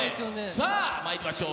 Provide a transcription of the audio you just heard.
さあまいりましょう。